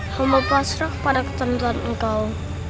rumah pasrah pada ketentuan engkau